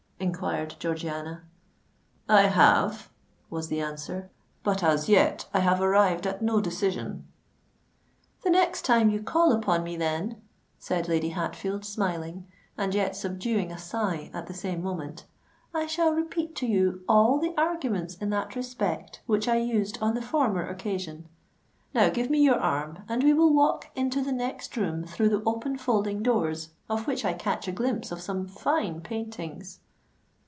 enquired Georgiana. "I have," was the answer; "but as yet I have arrived at no decision." "The next time you call upon me, then," said Lady Hatfield, smiling, and yet subduing a sigh at the same moment, "I shall repeat to you all the arguments in that respect which I used on the former occasion. Now give me your arm, and we will walk into the next room through the open folding doors of which I catch a glimpse of some fine paintings."